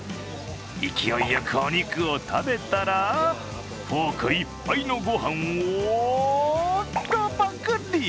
勢いよくお肉を食べたらフォークいっぱいのご飯をパクリ。